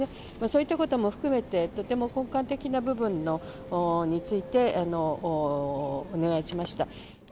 そういったことも含めて、とても根幹的な部分について、お願いしました。